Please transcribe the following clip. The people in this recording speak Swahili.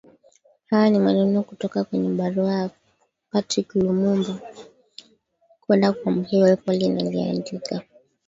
Haya ni maneno kutoka kwenye barua ya Patrice Lumumba kwenda kwa mkewe Pauline aliyoandika